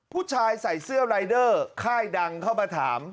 ผู้ชายใส่เสื้อรายเดอร์ค่ายดังเข้ามาถาม